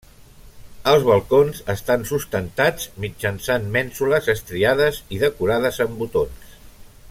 Els balcons estan sustentats mitjançant mènsules estriades i decorades amb botons.